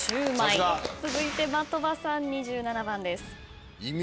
続いて的場さん２７番です。